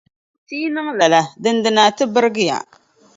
Ti yi niŋ lala dindina ti birigiya.